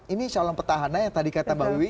ini calon petahana yang tadi kata mbak wiwi